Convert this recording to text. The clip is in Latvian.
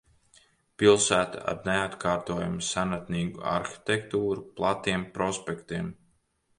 Pilsēta ar neatkārtojamu senatnīgu arhitektūru, platiem prospektiem.